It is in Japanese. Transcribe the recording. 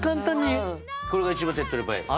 これが一番手っとり早いです。